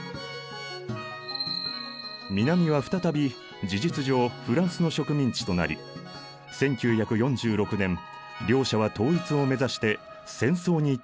南は再び事実上フランスの植民地となり１９４６年両者は統一を目指して戦争に突入。